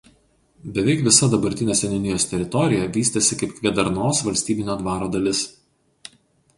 Beveik visa dabartinė seniūnijos teritorija vystėsi kaip Kvėdarnos valstybinio dvaro dalis.